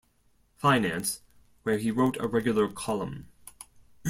Finance where he wrote a regular column.